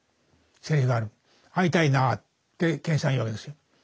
「会いたいな」って健さん言うわけですよ。